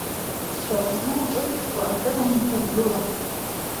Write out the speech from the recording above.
Шьахәсна ҿымҭӡакәа акыраамҭа дгылан.